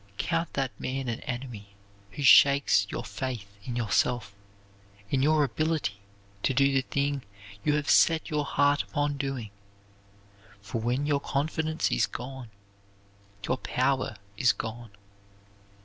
Count that man an enemy who shakes your faith in yourself, in your ability to do the thing you have set your heart upon doing, for when your confidence is gone, your power is gone.